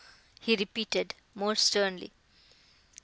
he repeated, more sternly.